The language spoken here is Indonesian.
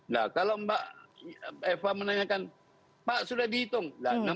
nah kalau mbak eva menanyakan pak sudah dihitung